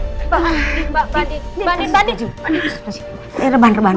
eh rebahan rebahan rebahan